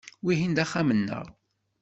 Wihin d axxam-nneɣ.